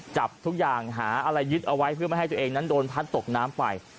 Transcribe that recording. จับทุกอย่างหาอะไรยึดเอาไว้เพื่อไม่ให้ตัวเองนั้นโดนพัดตกน้ำไป